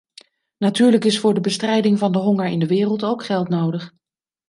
Natuurlijk is voor de bestrijding van de honger in de wereld ook geld nodig.